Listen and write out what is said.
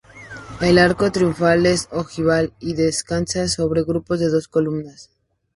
El arco triunfal es ojival y descansa sobre grupos de dos columnas.